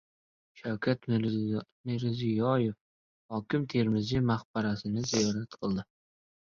Shavkat Mirziyoyev Hakim Termiziy maqbarasini ziyorat qildi